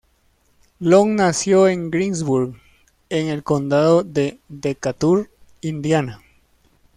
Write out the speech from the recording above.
Long nació en Greensburg, en el condado de Decatur, Indiana.